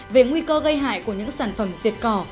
về nguy cơ gây hại của những sản phẩm diệt cỏ